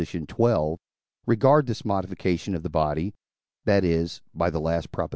regard this modification of the body that is (by the last Prop.)